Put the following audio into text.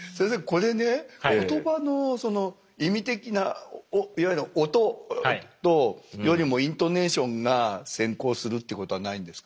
これね言葉のその意味的ないわゆる音よりもイントネーションが先行するっていうことはないんですか。